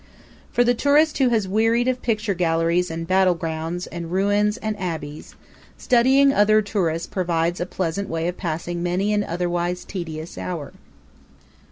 For the tourist who has wearied of picture galleries and battlegrounds and ruins and abbeys, studying other tourists provides a pleasant way of passing many an otherwise tedious hour.